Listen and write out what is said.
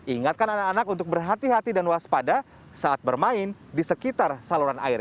ingatkan anak anak untuk berhati hati dan waspada saat bermain di sekitar saluran air